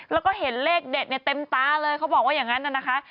แล้วก็เห็นเลขเด็ดเนี่ยเต็มตาเลยเขาบอกว่าอย่างนั้นนะคะ